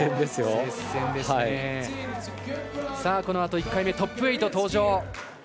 このあと１回目トップ８登場。